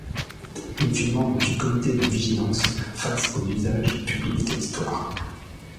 Il fut membre du Comité de vigilance face aux usages publics de l'histoire.